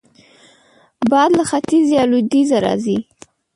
باد له ختیځ یا لوېدیځه راځي